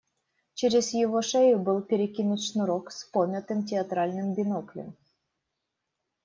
Через его шею был перекинут шнурок с помятым театральным биноклем.